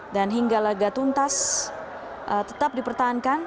dan hingga laga tuntas tetap dipertahankan